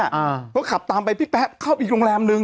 อ่าก็ขับตามไปพี่แป๊บเข้าไปอีกโรงแรมนึง